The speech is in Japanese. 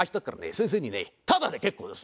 先生にねタダで結構です！